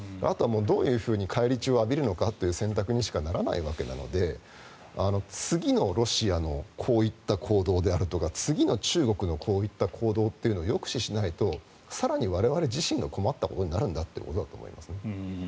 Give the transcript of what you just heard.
あとはどういうふうに返り血を浴びるのかという選択にしかならないわけで次のロシアのこういった行動であるとか次の中国のこういった行動を抑止しないと更に我々自身の困ったことになるんだということだと思いますね。